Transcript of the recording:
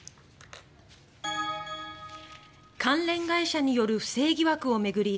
関連会社による不正疑惑を巡り